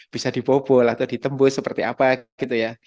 bisa dibobol atau ditembus seperti apa gitu ya